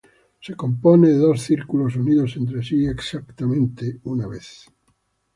Se compone de dos círculos unidos entre sí exactamente una vez.